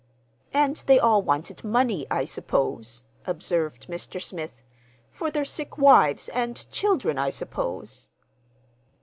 "And they all wanted—money, I suppose," observed Mr. Smith, "for their sick wives and children, I suppose."